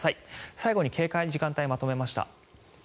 最後に警戒の時間帯をまとめました。